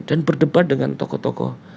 dan berdebat dengan tokoh tokoh